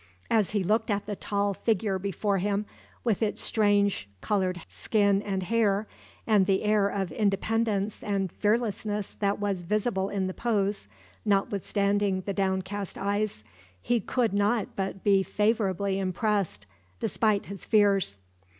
As he looked at the tall figure before him, with its strange colored skin and hair, and the air of independence and fearlessness that was visible in the pose, notwithstanding the downcast eyes, he could not but be favorably impressed, despite his fears.